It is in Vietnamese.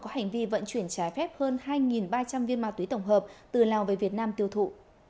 có hành vi vận chuyển trái phép hơn hai ba trăm linh viên ma túy tổng hợp từ lào về việt nam tiêu thụ